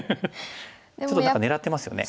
ちょっと何か狙ってますよね。